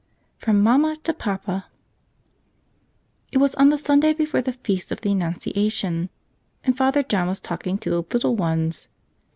jfrom 00amma to papa IT WAS on the Sunday before the feast of the Annunciation, and Father John was talking to the little ones.